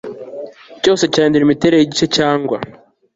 cyose cyahindura imiterere y igice cyangwa